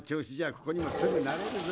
ここにもすぐなれるぞ。